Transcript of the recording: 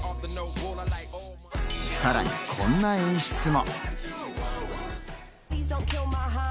さらにこんな演出も。